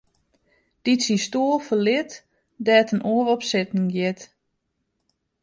Dy't syn stoel ferlit, dêr't in oar op sitten giet.